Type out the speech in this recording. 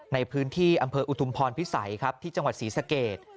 ในพื้นที่อำเภออุทุมพรพิสัยครับที่จังหวัดศรีสเกต